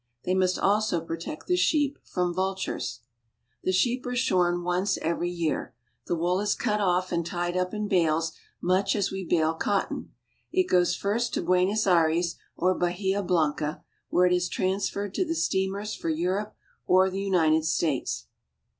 They must also protect the sheep from vultures. The sheep are shorn once every year. The wool is cut off and tied up in bales much as we bale cotton. It goes first to Buenos Aires, or Bahia Blanca, where it is trans ferred to the steamers for Europe or the United States.